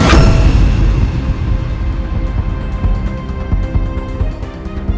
ada orang yang menangkapnya